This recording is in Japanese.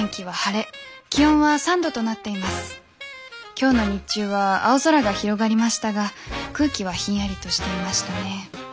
今日の日中は青空が広がりましたが空気はひんやりとしていましたね。